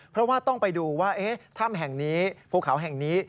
เพราะว่าต้องไปดูว่าถ้ำแห่งนี้ภูเขาแห่งนี้